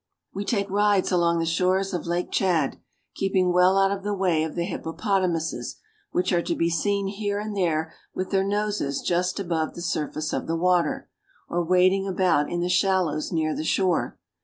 We take rides along the shores of Lake Tchad, keeping well out of the way of the hippopotamuses, which are to be seen here and there with their noses just above the sur face of the water, or wading about in the shallows near the shore.